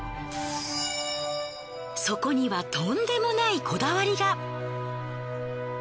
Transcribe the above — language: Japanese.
そこにはとんでもないこだわりが。